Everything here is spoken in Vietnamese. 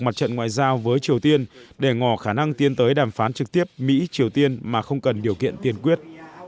mặt trận ngoại giao với triều tiên để ngỏ khả năng tiến tới đàm phán trực tiếp mỹ triều tiên mà không cần điều kiện tiên quyết